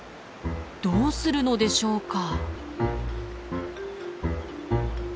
どうするのでしょうか。